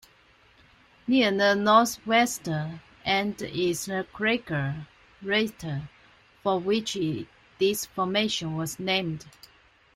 Near the northwestern end is the crater Rheita, for which this formation was named.